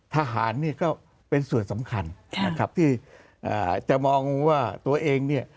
ทหารนี่ก็เป็นส่วนสำคัญนะครับที่จะมองว่าตัวเองเนี่ย